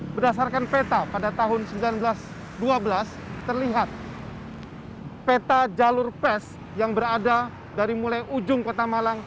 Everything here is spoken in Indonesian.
berdasarkan peta pada tahun seribu sembilan ratus dua belas terlihat peta jalur pes yang berada dari mulai ujung kota malang